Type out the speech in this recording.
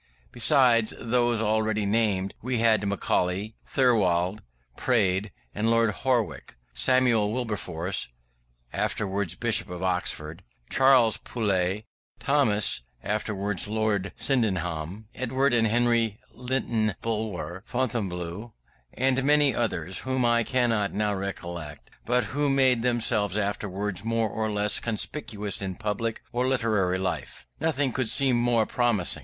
Besides those already named, we had Macaulay, Thirlwall, Praed, Lord Howick, Samuel Wilberforce (afterwards Bishop of Oxford), Charles Poulett Thomson (afterwards Lord Sydenham), Edward and Henry Lytton Bulwer, Fonblanque, and many others whom I cannot now recollect, but who made themselves afterwards more or less conspicuous in public or literary life. Nothing could seem more promising.